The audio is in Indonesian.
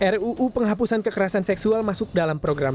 ruu penghapusan kekerasan seksual masuk dalam program